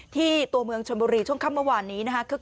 ที่ตัวเมืองชนบุรีช่วงขั้มประวันนี้นะครับ